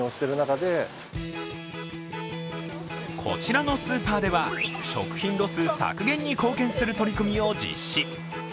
こちらのスーパーでは、食品ロス削減に貢献する取り組みを実施。